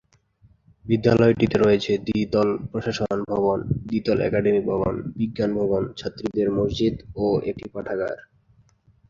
বিদ্যালয়টিতে রয়েছে দ্বিতল প্রশাসন ভবন, দ্বিতল একাডেমিক ভবন, বিজ্ঞান ভবন, ছাত্রীদের মসজিদ ও একটি পাঠাগার।